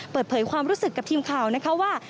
เปิดเผยความรู้สึกกับทีมข่าวนะคะว่า